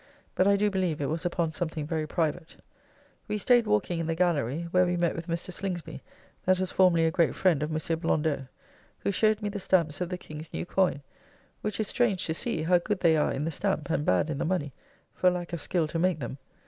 But I do believe it was upon something very private. We staid walking in the gallery; where we met with Mr. Slingsby, that was formerly a great friend of Mons. Blondeau, who showed me the stamps of the King's new coyne; which is strange to see, how good they are in the stamp and bad in the money, for lack of skill to make them.